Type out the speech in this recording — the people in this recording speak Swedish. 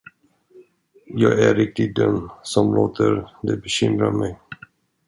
Jag är riktigt dum, som låter det bekymra mig.